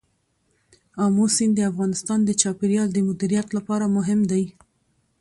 آمو سیند د افغانستان د چاپیریال د مدیریت لپاره مهم دی.